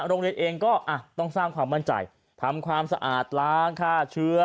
โรงเรียนเองก็ต้องสร้างความมั่นใจทำความสะอาดล้างฆ่าเชื้อ